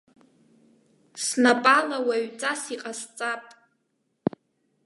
Снапала уаҩҵас иҟасҵап.